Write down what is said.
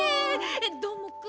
どーもくん。